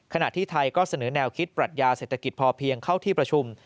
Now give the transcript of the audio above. ขณะที่ไทยก็เสนอแนวคิดปรัชญาเศรษฐกิจพอเพียงเข้าที่ประชุม